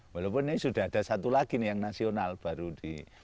walaupun ini sudah ada satu lagi nih yang nasional baru di